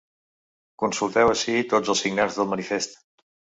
Consulteu ací tots els signants del manifest.